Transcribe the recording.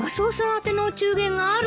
宛てのお中元があるわ！